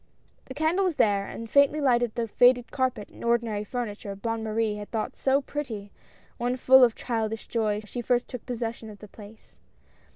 The candle was there, and faintly lighted the faded carpet and ordinary furniture, Bonne Marie had thought so pretty, when full of childish joy she first took possession of the place.